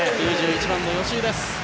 ９１番の吉井です。